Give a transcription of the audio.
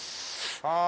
ああ。